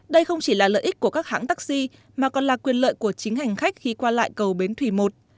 đây không chỉ là lợi ích của các hãng taxi mà còn là quyền lợi của chính hành khách khi qua lại cầu bến thủy i